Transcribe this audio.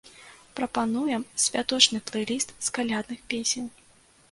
Прапануем святочны плэй-ліст з калядных песень.